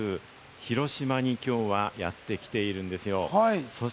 広島に今日はやってきてるんですよ。